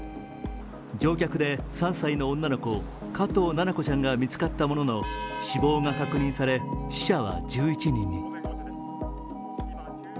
乗客で３歳の女の子、加藤七菜子ちゃんが見つかったものの死亡が確認され、死者は１１人に。